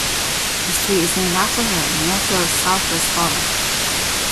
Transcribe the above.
A street is named after her in Montreal's Southwest borough.